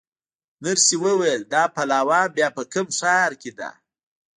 نرسې وویل: دا پلاوا بیا په کوم ښار کې ده؟